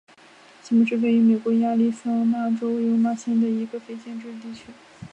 基姆是位于美国亚利桑那州尤马县的一个非建制地区。